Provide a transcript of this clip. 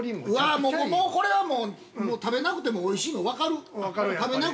◆これはもう食べなくてもおいしいの分かる！